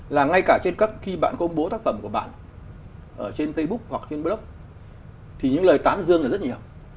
là ngay cả khi bạn công bố tác phẩm của bạn trên facebook hoặc trên blog thì những lời tán dương là rất nhiều